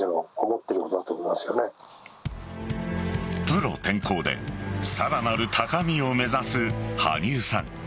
プロ転向でさらなる高みを目指す羽生さん。